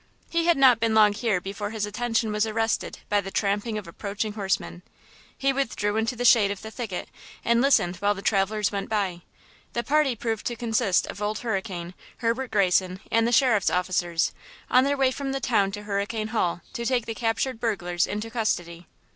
He had not been long here before his attention was arrested by the tramping of approaching horsemen. He withdrew into the shade of the thicket and listened while the travelers went by. The party proved to consist of Old Hurricane, Herbert Greyson and the Sheriff's officers, on their way from the town to Hurricane Hall to take the captured burglars into custody.